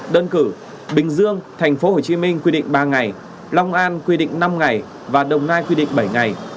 đơn cử bình dương tp hcm quy định ba ngày long an quy định năm ngày và đồng nai quy định bảy ngày